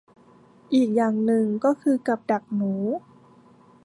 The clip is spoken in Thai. อีกอย่างหนึ่งก็คือกับดักหนู